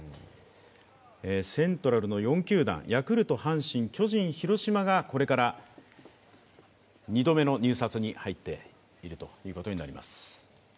セントラルの４球団ヤクルト、阪神、巨人、広島がこれから２度目の入札に入っているということになります。